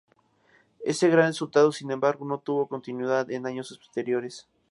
Ese gran resultado, sin embargo, no tuvo continuidad en años posteriores.